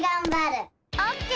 オッケー！